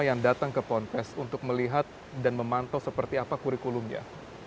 yang datang ke ponpes untuk melihat dan memantau seperti apa kurikulumnya